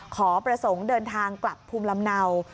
ขอประสงค์เดินทางกลับภูมิลำเนา